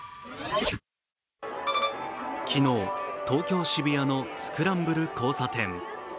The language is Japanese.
昨日、東京・渋谷のスクランブル交差点。